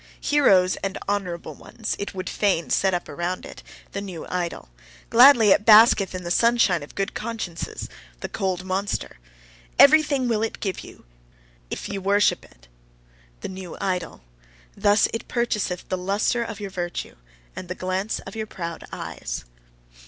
Heroes and honourable ones, it would fain set up around it, the new idol! Gladly it basketh in the sunshine of good consciences, the cold monster! Everything will it give YOU, if YE worship it, the new idol: thus it purchaseth the lustre of your virtue, and the glance of your proud eyes.